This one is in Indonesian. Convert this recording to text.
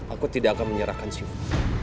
aku tidak akan menyerahkan cium